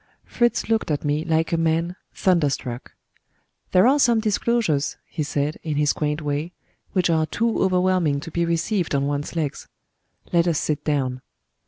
Fritz looked at me like a man thunderstruck. "There are some disclosures," he said, in his quaint way, "which are too overwhelming to be received on one's legs. Let us sit down."